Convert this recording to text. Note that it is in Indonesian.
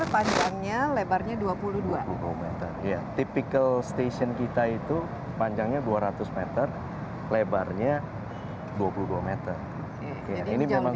panjangnya lebarnya dua puluh dua km iya tipikal station kita itu panjangnya dua ratus m lebarnya dua puluh dua m ini memang